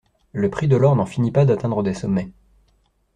Le prix de l'or n'en finit pas d'atteindre des sommets.